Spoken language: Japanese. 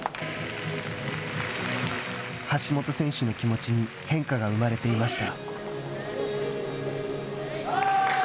橋本選手の気持ちに変化が生まれていました。